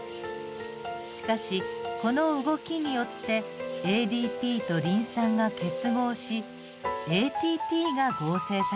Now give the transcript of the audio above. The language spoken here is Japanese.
しかしこの動きによってＡＤＰとリン酸が結合しＡＴＰが合成されるのです。